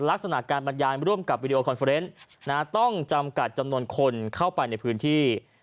ลักษณะการบรรยายร่วมกับวิดีโอคอนเฟอร์เนส์ต้องจำกัดจำนวนคนเข้าไปในพื้นที่